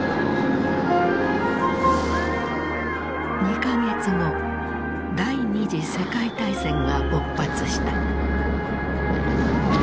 ２か月後第二次世界大戦が勃発した。